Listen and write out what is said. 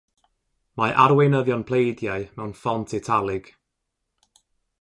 Mae arweinyddion pleidiau mewn ffont italig.